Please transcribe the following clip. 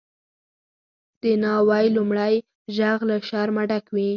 د ناوی لومړی ږغ له شرمه ډک وي.